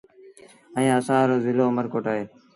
ائيٚݩ اسآݩ رو زلو اُ مر ڪوٽ اهي